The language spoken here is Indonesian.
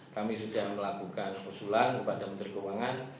kami sudah melakukan usulan kepada menteri keuangan